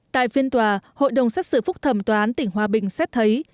tại phiên tòa hội đồng xét xử phúc thẩm tòa án tỉnh hòa bình xét thấy